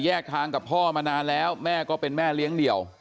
ทางกับพ่อมานานแล้วแม่ก็เป็นแม่เลี้ยงเดี่ยว